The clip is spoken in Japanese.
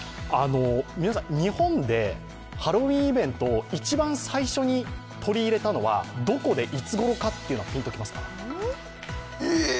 皆さん、日本でハロウィーンイベントを一番最初に取り入れたのはどこで、いつごろかというのはピンときますか？